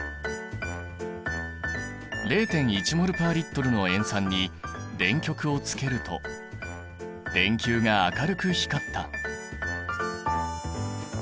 ０．１ｍｏｌ／Ｌの塩酸に電極をつけると電球が明るく光った。